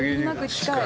近い。